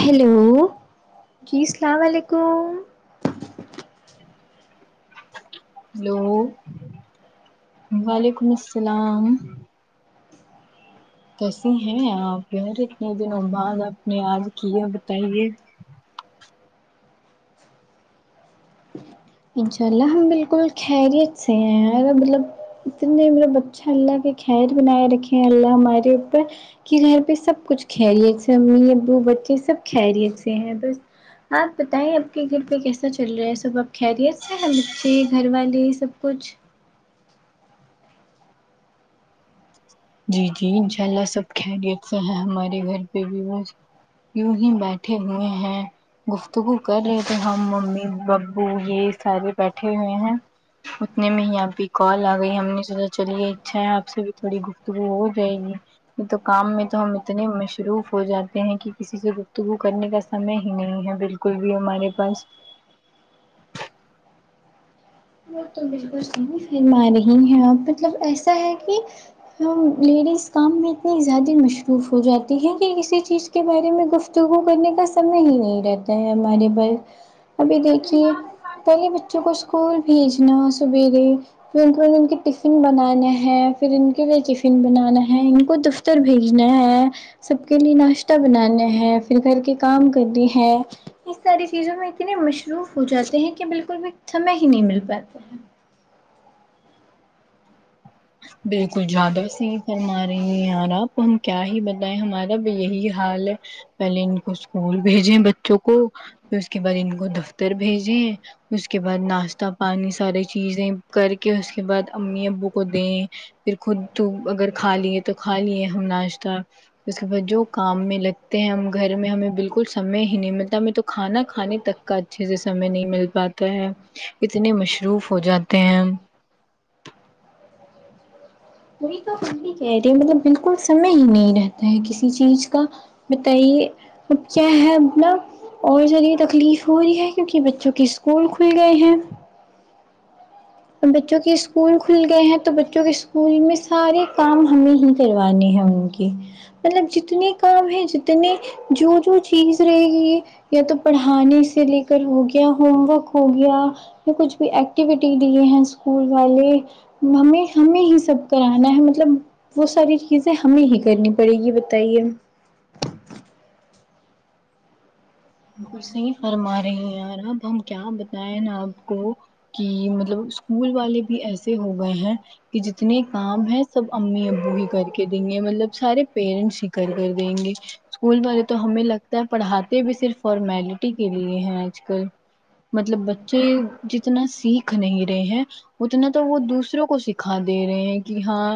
hello جی السلام علیکم ہیلو وعلیکم السلام کیسی ہیں آپ یار اتنے دنوں بعد آپ نے یاد کیا بتائیے انشاء اللہ ہم بالکل خیریت سے ہیں یار مطلب اتنے مطلب اچھا اللہ کے خیر بنائے رکھے ہیں اللہ ہمارے اوپر کہ گھر پہ سب کچھ خیریت سے ہے امی ابو بچے سب خیریت سے ہے بس آپ بتائیں آپ کے گھر پہ کیسا چل رہا ہے سب خیریت سے ہے بچے گھر والے سب کچھ جی جی انشاء اللہ سب خیریت سے ہیں ہمارے گھر پہ بھی بس یوں ہی بیٹھے ہوئے ہیں گفتگو کر رہے تھے ہم ممی ببو یہ سارے بیٹھے ہوئے ہیں اتنے میں ہی آپ کی کال آ گئی ہم نے سوچا چلیے اچھا ہے آپ سے بھی تھوڑی گفتو توگو ہو جائے گی یہ تو کام میں تو ہم اتنے مصروف ہو جاتے ہیں کہ کسی سے گفتگو کرنے کا سمے ہی نہیں ہے بالکل بھی ہمارے پاس وہ تو بالکل صحیح فرما رہی ہیں آپ مطلب ایسا ہے کہ ہم لیڈیز کام میں اتنی زیادہ مصروف ہو جاتی ہیں کہ کسی چیز کے بارے میں گفتگو کرنے کا سمے ہی نہیں رہتا ہے ہمارے پاس ابھی دیکھیے پہلے بچوں کو اسکول بھیجنا سویرے پھر ان کو ان کے ٹفن بنانا ہے پھر ان کے لیے ٹفن بنانا ہے ان کو پھر بھیجنا ہے سب کے لیے ناشتہ بنانا ہے پھر گھر کے کام کرنے ہے یہ ساری چیزوں میں اتنے مصروف ہو جاتے ہیں کہ بالکل بھی سمیں ہی نہیں مل پاتے ہیں بالکل زیادہ س ہمارے حالات ہم کیا ہی بتائائےیں ہمارا بھی یہی حال ہے پہلے ان کو اسکول بھیجے بچوں کو پھر اس کے بعد ان کو دفتر بھیجے اس کے بعد ناشتہ پانی ساری چیزیں کر کے اس کے بعد امی ابو کو دیں پھر خود اگر کھا لیے تو کھا لیے ہم ناشتہ اس کے بعد جو کام میں لگتے ہیں ہم گھر میں ہمیں بالکل سمے ہی نہیں ملتا ہمیں تو کھانا کھانے تک کا اچھے سے سمے نہیں مل پاتا ہے اتنے مصروف ہو جاتے ہیں وہی تو ہم بھی کہہ رہی مطلب بالکل سمے ہی نہیں رہتا ہے کسی چیز کا بتائیے اب کیا ہے اپنا اور چلیے تکلیف ہو رہی ہے کیونکہ بچوں کے اسکول کھل گئے ہیں اب بچوں کے اسکول کھل گئے ہیں تو بچوں کے اسکول میں سارے کام ہمیں ہی کروانی ہے ان کی مطلب جتنے کام ہے جتنے جو جو چیز رہے گی یا تو پڑھانے سے لے کر ہو گیا ہوم ورک ہو گیا یا کچھ بھی ایکٹیویٹی لیے ہیں اسکول والے ہمیں ہمیں ہی سب کرانا ہے مطلب وہ ساری چیزیں ہمیں ہی کرنی پڑے گی بتائیے بالکل صحیح فرما رہی ہیں یار اب ہم کیا بتائے نا آپ کو کہ مطلب اسکول والے بھی ایسے ہو گئے ہیں کہ جتنے کام ہیں سب امی ابو ہی کر کے دیں گے مطلب سارے پیرنٹس ہی کر کر دیں گے اسکول والے تو ہمیں لگتا ہے پڑھاتے بھی صرف فارمیلٹی کے لیے ہے آج کل مطلب بچے جتنا سیکھ نہیں رہے ہیں اتنا تو وہ دوسروں کو سکھا دے رہے ہیں کہ ہاں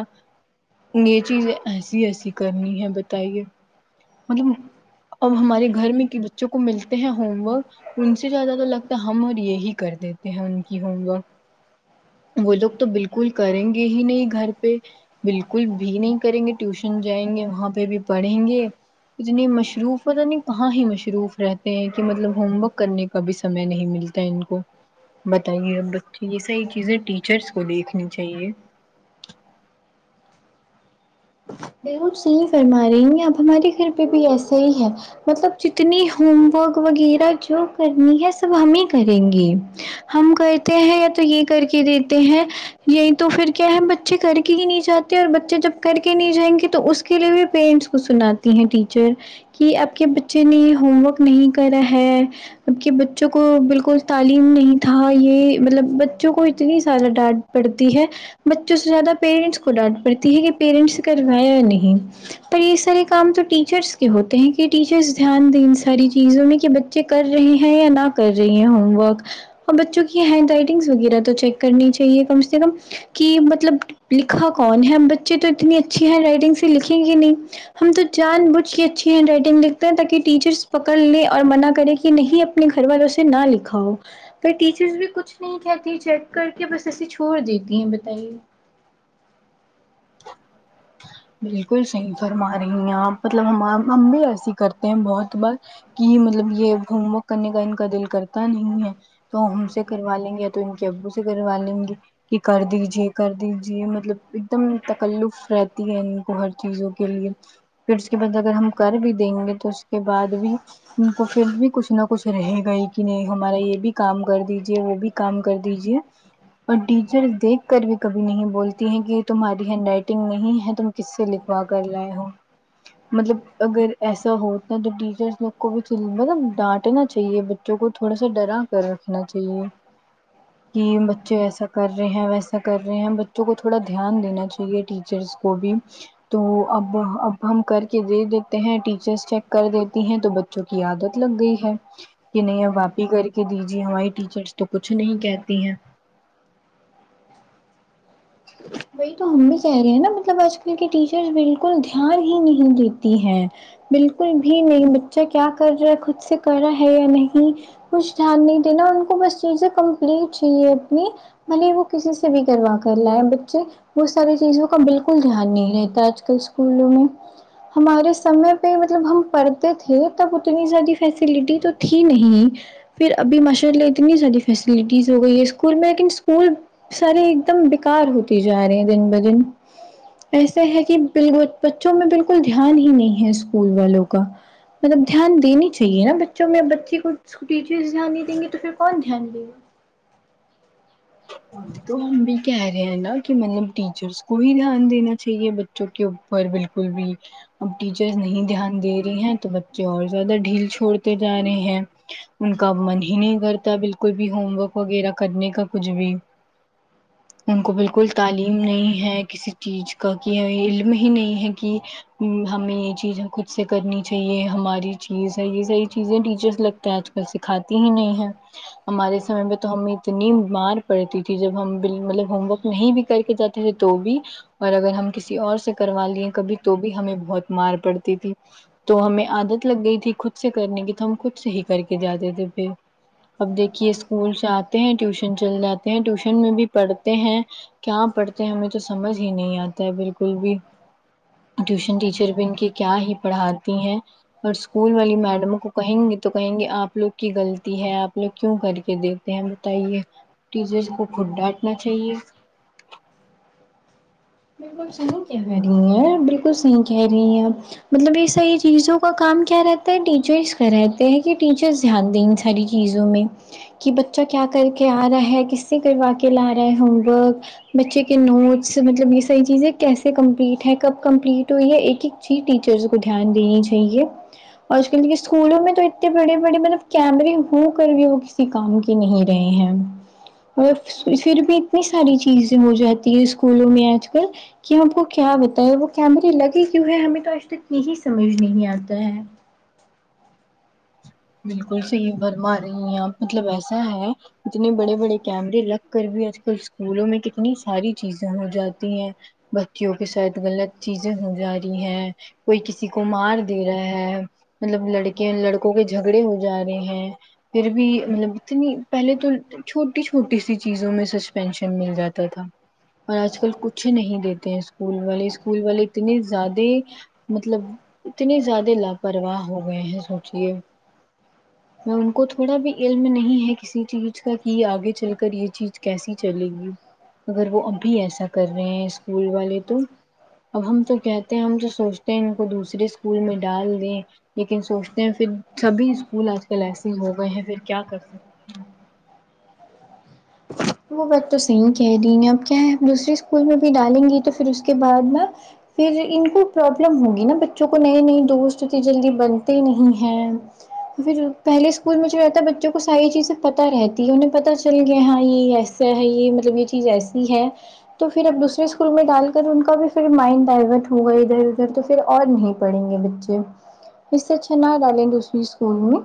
یہ چیزیں ایسی ایسی کرنی ہے بتائیے مطلب ا ہمارے گھر میں کہ بچوں کو ملتے ہیں ہوم ورک ان سے زیادہ تو لگتا ہے ہم اور یہی کر دیتے ہیں ان کی ہوم ورک وہ لوگ تو بالکل کریں گے ہی نہیں گھر پہ بالکل بھی نہیں کریں گے ٹیوشن جائیں گے وہاں پہ بھی پڑھیں گے اتنے مشروف ہوتا نہیں کہاں ہی مشروف رہتے ہیں کہ مطلب ہوم ورک کرنے کبھی سمے نہیں ملتا ہے ان کو بتائیے ا یہ صحیح چیزیں ٹیچرس کو دیکھنی چاہیے ب صحیح فرما رہی ہیں اب ہمارے گھر پہ بھی ایسا ہی ہے مطلب جتنی ہوم ورک وغیرہ جو کرنی ہے سب ہمیں کریں گے ہم کرتے ہیں یا تو یہ کر کے دیتے ہیں یہی تو پھر کیا ہے بچے کر کے ہی نہیں چاہتے اور بچے جب کر کے نہیں جائیں گے تو اس کے لیے بھی پیرنٹس کو سناتی ہیں ٹیچر کہ اب کے بچے نے ہوم ورک نہیں کرا ہے اب کہ بچوں کو بالکل تعلیم نہیں تھا یہ مطلب بچوں کو اتنی سارہ ڈانٹ پڑتی ہے بچوں سے زیادہ پیرنٹس کو ڈانٹ پڑتی ہے کہ پیرنٹس کروایا یا نہیں پر یہ سارے کام تو ٹیچرس کے ہوتے ہیں کہ ٹیچرس دھیان دیں ان ساری چیزوں میں کہ بچے کر رہی ہیں یا نہ کر رہی ہیں ہوم ورک اور بچوں کی ہینڈ رائٹنگس وغیرہ تو چیک کرنی چاہیے کم سے کم کہ مطلب لکھا کون ہے بچے تو اتنی اچھی ہے رائٹنگ سے لکھیں گے نہیں ہم تو جان بجھ کے اچھی ہینڈ رائٹنگ لکھتے ہیں تاکہ ٹیچرس پکڑ لیں اور منع کریں کہ نہیں ا اپنے گھر والوں سے نہ لکھاو پر ٹیچرس بھی کچھ نہیں کہتی چیک کر کے بس ایے چھوڑ دیتی ہیں بتائیے بالکل صحیح فرما رہی ہیں آپ مطلب ہم ہم بھی ایسی ہی کرتے ہیں بہت بار کہ مطلب یہ ہوم ورک کرنے کا ان کا دل کرتا نہیں ہے تو ہم سے کروا لیں گے یا تو ان کے ابو سے کروا لیں گے کہ کر دیجے کر دیجیے مطلب ایک دم تکلف رہتی ہے ان کو ہر چیزوں کے لیے پھر اس کے بعد اگر ہم کر بھی دیں گے تو اس کے بعد بھی ان کو پھر بھی کچھ نہ کچھ رہے گا ہی کہ نہیں ہمارا یہ بھی کام کر دیجے وہ بھی کام کر دیجے اور ٹیچر دیکھ کر بھی کبھی نہیں بولتے کہ تمہاری ہینڈ رائٹنگ نہیں ہے تم کس سے لکھوا کر لائے ہو مطلب اگر ایسا ہوتا تو ٹیچرس لوگ کو بھی مطلب ڈانٹنا چاہیے جو کو تھوڑا سا ڈرا کر رکھنا چاہیے کہ بچے ایسا کر رہے ہیں ویسا کر رہے ہیں بچوں کو تھوڑا دھیان دینا چاہیے ٹیچرس کو بھی تو اب اب ہم کر کے دے دیتے ہیں ٹیچرس چیک کر دیتی ہیں تو جوک عادت لگ گئی ہے کہ نہیں اب آپ ہی کر کے دیجیے ہماری ٹیچرس تو کچھ نہیں کہتی ہیں بی تو ہم بھی کہہ رہے ہیں نا مطلب آج کل کے ٹیچرس بالکل دھیان ہی نہیں دیتی ہیں بالکل بھی نہیں بچہ کیا کر رہا ہے خود سے کرا ہے یا نہیں کچھ دھیان نہیں دینا ان کو بس چیزیں کمپلیٹ چاہیے اپنی بھلے وہ کسی سے بھی کروا کر لا ہے ب وہ ساری چیزوں کا بالکل دھیان نہیں رہتا آج کل اسکولوں میں ہمارے سمے پہ مطلب ہم پڑ تھے تب اتنی زیادہ فیسلٹی تو تھی نہیں پھر ابھی ماشاء اللہ اتنی ساری فیسلٹیز ہو گئی ہے اسکول میں لیکن اسکول ساریے ایک دم بیکار ہوتی جا رہی ہیں دن با دن ایسے ہے کہ ب بچوں میں بالکل دھیان ہی نہیں ہے اسکول والوں کا مطلب دھیان دینی چاہیے نا بچوں میں بچے کو ٹیچرس دھیان نہیں دیں گے تو پھر کون دھیان دے گا تو ہم بھی کہہ رہے ہیں نا کہ مطلب ٹیچرس کو بھی دھیان دینا چاہیے بچوں کے اوپر بالکل بھی اب ٹیچرس نہیں دھیان دے رہی ہیں تو بچے اور زیادہ ڈھیل چھوڑتے جا رہے ہیں ان کا من ہی نہیں کرتا بالکل بھی ہوم ورک وغیرہ کرنے کا کچھ بھی ان کو بالکل تعلیم نہیں ہے کسی چیز کا کہ علم ہی نہیں ہے کہ ہمیں یہ چیزیں خود سے کرنی یہ ہماری چیز ہے یہ ساری چیزیں ٹیچرس لگتے ہیں آج کل سکھاتی ہی نہیں ہے ہمارے سمے میں تو ہمیں اتنی مار پڑتی تھی جب ہم بل مطلب ہوم ورک نہیں بھی کر کے جاتے تھے تو بھی اور اگر ہم کسی اور سے کروا لی ہے کبھی تو بھی ہمیں بہت مار پڑتی تھی تو ہمیں عادت لگ گئی تھی خود سے کرنے کی تو ہم خود سے ہی کر کے جاتے تھے پھر اب دیکھیے اسکول سے آتے ہیں ٹیوشن چل جاتے ہیں ٹیوشن میں بھی پڑھتے ہیں کیا پڑھتے ہیں ہمیں تو سمجھ ہی نہیں آتا ہے بالکل بھی ٹیوشن ٹیچر بھی ان کی کیا ہی پڑھاتی ہیں اور اسکول والی میڈموں کو کہیں گے تو کہیں گے آپ لوگ کی غلطی ہے آپ لوگ کیوں کر کے دیکتے ہیں بتائیے ٹیچرس کو خود ڈانٹنا چاہیے بالکل صحیح کہہ رہی ہیں بالکل صحیح کہہ رہی ہیں مطلب یہ ساری چیزوں کا کام کیا رہتا ہے ٹیچرس کر رہتے ہیں کہ ٹیچرس دھیان دیں ان ساری چیزوں میں کہ بچہ کیا کر کے آ رہا ہے کس سے کروا کے لا رہا ہے ہوم ورک بچے کے نوٹس مطلب یہ صحی چیزیں کیسے کمپلیٹ ہے کب کمپلیٹ ہوئی ہے ایک ایک چیز ٹیچرس کو دھیان دینی چاہیے اور آج کل کے اسکولوں میں تو اتنے بڑے بڑے مطلب کیمرے ہو کر بھی ہو کسی کام کی نہیں رہے ہیں اور پھر بھی اتنی ساری چیزیں ہو جاتی ہے اسکولوں میں آج کل کہ ہم کو کیا بتاائے وہ کیمرے لگے کیوں ہے ہمیں تو آج تک یہی سمجھ نہیں آتا ہے بالکل صحیح فرما رہی ہیں آپ مطلب ایسا ہے اتنے بڑے بڑے کیمرے رکھ کر بھی آج کل اسکولوں میں کتنی ساری چیزیں ہو جاتی ہیں بچییوں کے ساتھ غلط چیزیں ہو جا رہی ہیں کوئی کسی کو مار دے رہا ہے مطلب لڑکے لڑکوں کے جھگڑے ہو جا رہے ہیں پھر بھی مطلب اتنی پہلے تو چھوٹی چھوٹی سی چیزوں میں سچ پینشن مل جاتا تھا اور آج کل کچھ نہیں دیتے ہیں اسکول والے اسکول والے اتنے زیادے مطلب اتنے زیادے لاپرواہ ہو گئے ہیں سوچئے میں ان کو تھوڑا بھی علم نہیں ہے کسی چیز کا کہ آگے چل کر یہ چیز کیسی چلے گی اگر وہ ابھی ایسا کر رہے ہیں اسکول والے تو اب ہم تو کہتے ہیں ہم تو سوچتے ہیں ان کو دوسرے اسکول میں ڈال دیں لیکن سوچ پھر سبھی اسکول آج کل ایسے ہی ہو گئے ہیں پھر کیا کر سکتے ہیں وہ بات تو صحیح کہرہی ہے اب کیا ہے دوسری اسکول میں بھی ڈالیں گی تو پھر اس کے بعد نا پھر ان کو پرابلم ہوگی نا بچوں کو نئے نئے دوست اتنی جلدی بنتے ہی نہیں ہیں پھر پہلے اسکول میں جو رہتا ہے بچوں کو ساری چیزیں پتا رہتی ہے انہیں پتا چل یہ ہاں یہ ایسا ہے یہ مطلب یہ چیز ایسی ہے تو پھر اب دوسرے اسکول میں ڈال کر ان کا بھی پھر مائنڈ ڈائورٹ ہوگا ادھر ادھر تو پھر اور نہیں پڑھیں گے بچے اس سے اچھا نہ ڈالے دوسرے اسکول میں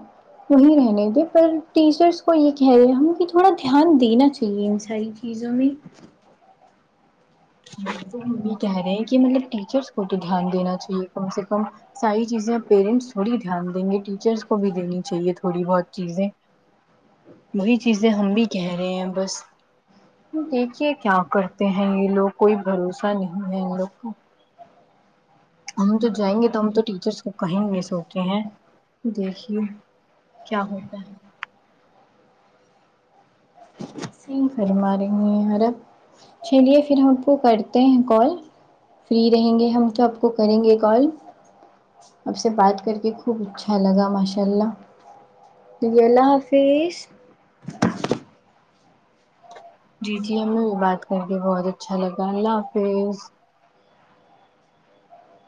وہی رہنے دے پر ٹیچرس کو یہ کہہ رہے ہم کہ تھوڑا دھیان دینا چاہیے ان ساری چیزوں میں وہ بھی [unintelligible] کہہ رہے ہیں کہ مطلب ٹیچرس تو دھیان دینا چاہیے کم سے کم ساری چیزیں پیرنٹس تھوڑی دھیان دیں گے ٹیچرس کو بھی دینی چاہیے تھوڑی بہت چیزیں وہی چیزیں ہم بھی کہہ رہے ہیں بس دیکھیے کیا کرتے ہیں یہ لوگ کوئی بھروسہ نہیں ہے ان لوگ کا ہم تو جائیں گے تو ہم تو ٹیچرس کو کہیں گے سوچے ہیں دیکھیے کیا ہوتا ہے صحیح فرما رہی ہیں اور اب چلیے پھر ہم کو کرتے ہیں کال فری رہیں گے ہم سب کو کریں گے کال اب سے بات کر کے خوب اچھا لگا ماشاء اللہ جی اللہ حافظ جی جی ہمیں وہ بات کر کے بہت اچھا لگا اللہ حافظ